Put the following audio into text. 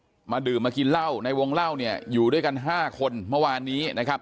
ที่เกิดเกิดเหตุอยู่หมู่๖บ้านน้ำผู้ตะมนต์ทุ่งโพนะครับที่เกิดเกิดเหตุอยู่หมู่๖บ้านน้ำผู้ตะมนต์ทุ่งโพนะครับ